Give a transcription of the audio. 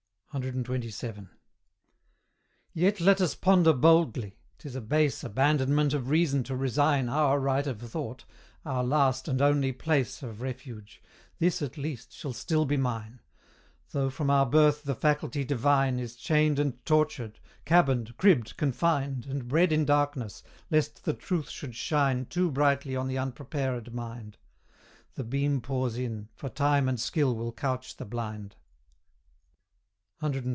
CXXVII. Yet let us ponder boldly 'tis a base Abandonment of reason to resign Our right of thought our last and only place Of refuge; this, at least, shall still be mine: Though from our birth the faculty divine Is chained and tortured cabined, cribbed, confined, And bred in darkness, lest the truth should shine Too brightly on the unprepared mind, The beam pours in, for time and skill will couch the blind.